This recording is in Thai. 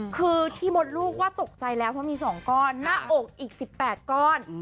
คือที่มดลูกว่าตกใจแล้วเพราะมี๒ก้อนหน้าอกอีก๑๘ก้อน